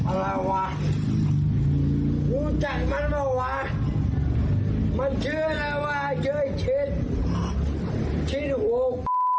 อะไรวะรู้จักมันเหรอวะมันเชื่ออะไรวะเชื่อไอ้ชิดชิดหัว